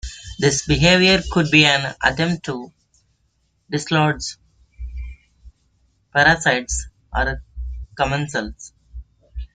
This behaviour could be an attempt to dislodge parasites or commensals.